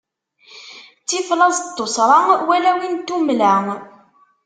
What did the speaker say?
Ttif laẓ n tuṣṣra, wala win n tummla.